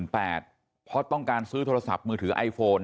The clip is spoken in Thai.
เพราะต้องการซื้อโทรศัพท์มือถือไอโฟน